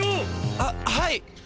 あっはい！